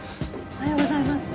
おはようございます。